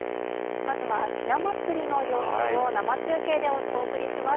まずはひなまつりの様子を生中継でお送りします。